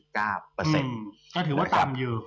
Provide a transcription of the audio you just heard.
ก็ถือว่าต่ำอยู่